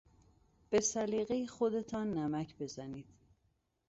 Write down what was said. به سلیقهی خودتان نمک بزنید.